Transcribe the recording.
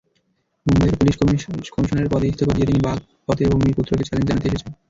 মুম্বাইয়ের police commissioner পদে ইস্তফা দিয়ে তিনি বাগপতের ভূমিপুত্রকে চ্যালেঞ্জ জানাতে এসেছেন।